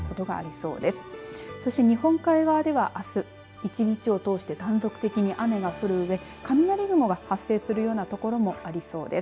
そして、日本海側ではあす一日を通して断続的に雨が降るうえ雷雲が発生するような所もありそうです。